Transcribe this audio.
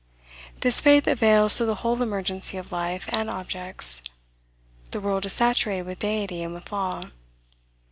This faith avails to the whole emergency of life and objects. The world is saturated with deity and with law.